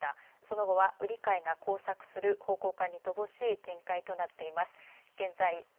その後は売り買いが交錯する方向感に乏しい展開となっています。